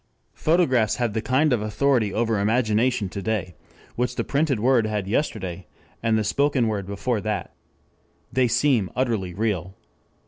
Photographs have the kind of authority over imagination to day, which the printed word had yesterday, and the spoken word before that. They seem utterly real.